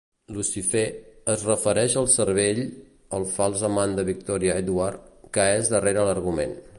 "Lucifer" es refereix al cervell, el fals amant de Victoria Edward, que és darrere l"argument.